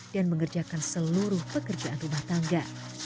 dan mengerjakan seluruh pekerjaan rumah tangga